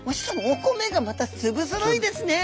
お米がまた粒ぞろいですね。